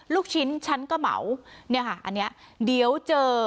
ลูกชิ้นฉันก็เหมาเนี่ยค่ะอันนี้เดี๋ยวเจอ